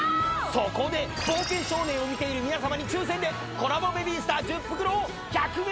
そこで「冒険少年」を見ている皆様に抽選でコラボベビースターうわ